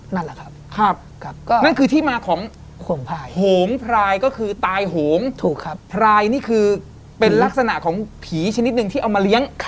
นั่นคือที่มาของหงพลายก็คือตายหงพลายนี่คือเป็นลักษณะของผีชนิดหนึ่งที่เอามาเลี้ยง